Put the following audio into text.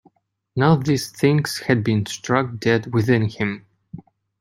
Now these things had been struck dead within him.